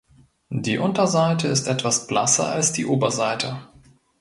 Die Unterseite ist etwas blasser als die Oberseite.